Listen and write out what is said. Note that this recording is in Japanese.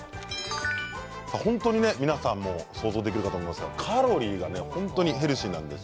本当に皆さんも想像できるかと思いますが、カロリーがヘルシーなんです。